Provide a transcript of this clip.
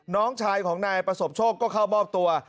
น้องชายของนายประสบโชคก็เข้ามอบตัว